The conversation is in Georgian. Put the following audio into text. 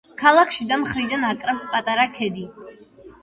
ქალაქს შიდა მხრიდან აკრავს პატარა ქედი.